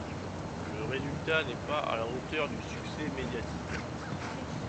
Le résultat n’est pas à la hauteur du succès médiatique.